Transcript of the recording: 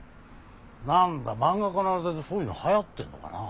なんだ漫画家の間でそういうのはやってんのかなぁ。